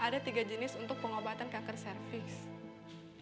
ada tiga jenis untuk pengobatan kanker cervix